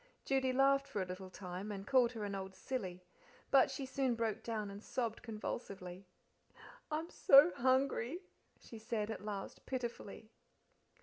Judy laughed for a little time, and called her an old silly, but she soon broke down and sobbed convulsively. "I'm so hungry," she said, at last pitifully.